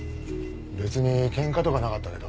別にケンカとかなかったけど。